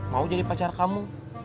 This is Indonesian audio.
mau jadi pacar kamu